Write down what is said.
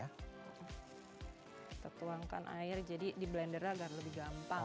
kita tuangkan air jadi di blender agar lebih gampang